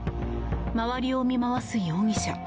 辺りを見回す容疑者。